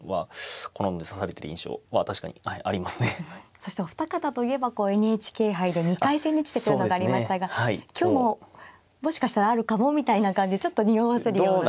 そしてお二方といえばＮＨＫ杯で２回千日手っていうのがありましたが今日ももしかしたらあるかもみたいな感じでちょっとにおわせるような。